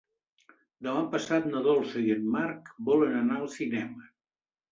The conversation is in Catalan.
Demà passat na Dolça i en Marc volen anar al cinema.